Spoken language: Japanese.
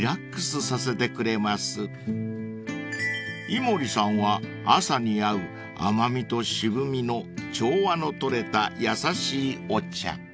［井森さんは朝に合う甘味と渋味の調和の取れた優しいお茶］